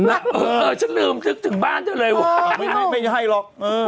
เออฉันลืมนึกถึงบ้านเธอเลยว่ะไม่ใช่หรอก